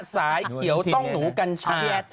สายเขียวต้องหนูกัญเชีย